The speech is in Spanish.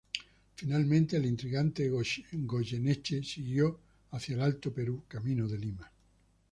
Finalmente, el intrigante Goyeneche siguió hacia el Alto Perú, camino de Lima.